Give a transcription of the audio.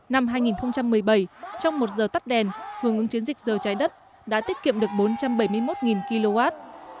năm hai nghìn một mươi bảy trong một giờ tắt đèn hưởng ứng chiến dịch giờ trái đất đã tiết kiệm được bốn trăm bảy mươi một kw